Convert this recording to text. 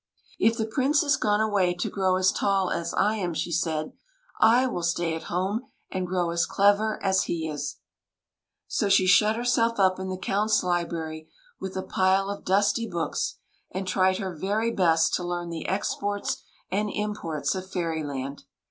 If the Prince has gone away to grow as tall as I am," she said, "/ will stay at home and grow as clever as he is !" So she shut herself up in the Count's library with a pile of dusty books, and tried her very best to learn the exports and imports of Fairy land.